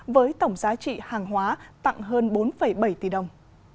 với tổng giá trị hàng hóa tặng hơn bốn bảy tỷ đồng